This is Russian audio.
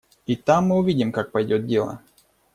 И там мы увидим, как пойдет дело.